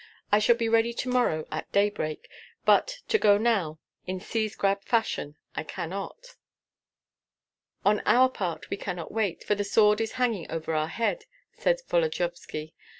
I shall be ready to morrow at daybreak; but to go now, in seize grab fashion, I cannot." "On our part we cannot wait, for the sword is hanging over our heads," said Volodyovski.